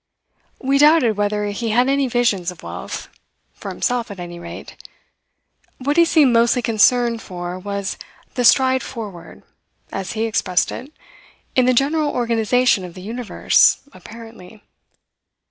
We doubted whether he had any visions of wealth for himself, at any rate. What he seemed mostly concerned for was the "stride forward," as he expressed it, in the general organization of the universe, apparently.